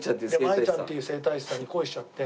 マイちゃんっていう整体師さんに恋しちゃって。